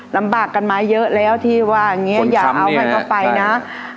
ลำบากกันมาเยอะแล้วที่ว่าอย่างนี้อย่าเอาให้เขาไปนะ